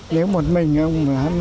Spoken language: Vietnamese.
nếu một mình